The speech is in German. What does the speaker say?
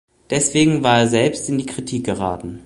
Deswegen war er selbst in die Kritik geraten.